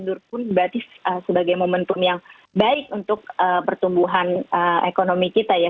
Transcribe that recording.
nah ini kalau di gundur pun berarti sebagai momentum yang baik untuk pertumbuhan ekonomi kita ya